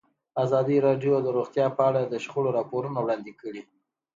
ازادي راډیو د روغتیا په اړه د شخړو راپورونه وړاندې کړي.